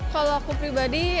kalau aku pribadi